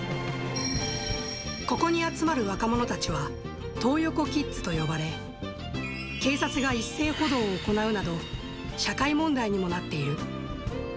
ここに集まる若者たちは、トー横キッズと呼ばれ、警察が一斉補導を行うなど、社会問題にもなっている。